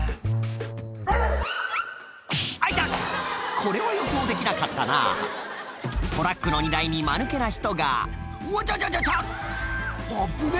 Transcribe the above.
これは予想できなかったなトラックの荷台にマヌケな人が「わちゃちゃちゃちゃ！危ねぇ！」